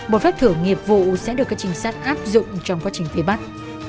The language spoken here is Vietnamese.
bộ phép thử nghiệp vụ sẽ được các trinh sát áp dụng trong quá trình phía bắc